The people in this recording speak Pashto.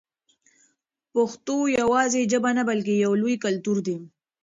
پښتو یوازې ژبه نه بلکې یو لوی کلتور دی.